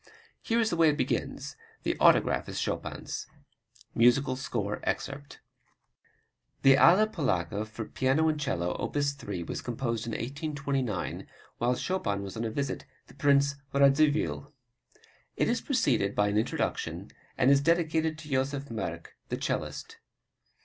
Here is the way it begins the autograph is Chopin's: [Musical score excerpt] The Alla Polacca for piano and 'cello, op. 3, was composed in 1829, while Chopin was on a visit to Prince Radziwill. It is preceded by an introduction, and is dedicated to Joseph Merk, the 'cellist.